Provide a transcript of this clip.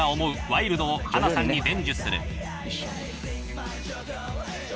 ワイルドを英さんに伝授する。